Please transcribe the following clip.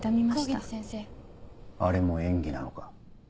香月先あれも演技なのか？